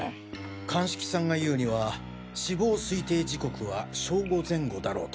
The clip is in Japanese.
鑑識さんが言うには死亡推定時刻は正午前後だろうと。